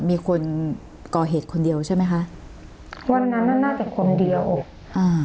มีคนก่อเหตุคนเดียวใช่ไหมคะวันนั้นน่ะน่าจะคนเดียวอ่า